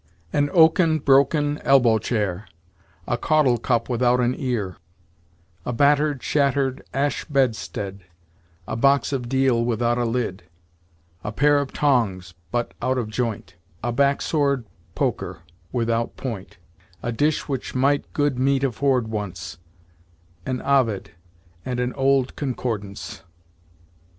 "An oaken, broken, elbow chair; A caudle cup without an ear; A battered, shattered ash bedstead; A box of deal without a lid; A pair of tongs, but out of joint; A back sword poker, without point; A dish which might good meat afford once; An Ovid, and an old Concordance."